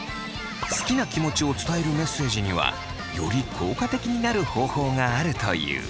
好きな気持ちを伝えるメッセージにはより効果的になる方法があるという。